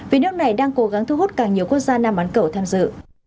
vì nước này đang cố gắng thu hút càng nhiều quốc gia nam ấn cầu tham dự